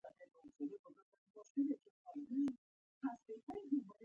لږ خو پر ځای کار د زیاتو نتایجو سبب کېږي.